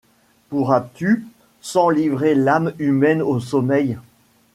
Pourras-tu, sans livrer l'âme humaine au sommeil